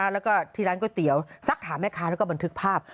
แล้วก็ที่ร้านก๋วยเตี๋ยวซักถามแม่ค้าแล้วก็บันทึกภาพ